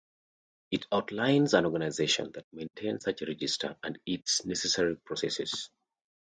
It outlines an organisation that maintains such a register and its necessary processes.